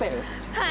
はい。